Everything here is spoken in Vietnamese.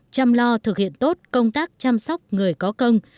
chăm lo thực hiện tốt công tác chăm sóc người có công